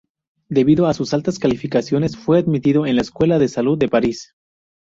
Debido a sus altas calificaciones, fue admitido en la Escuela de Salud de París.